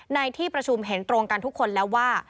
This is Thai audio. ในที่ประชุมเห็นตรงกันทุกคนแล้วว่า